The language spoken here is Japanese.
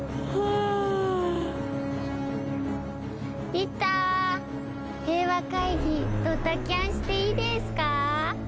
リタ平和会議ドタキャンしていいですか？